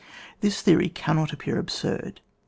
This theoiy cannot appear absurd.